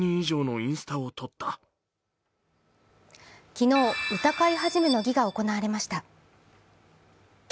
昨日、歌会始の儀が行われました。